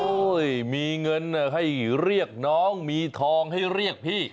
มีเงินให้เรียกน้องมีทองให้เรียกพี่